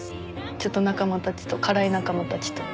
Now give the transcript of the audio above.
ちょっと仲間たちと辛い仲間たちと。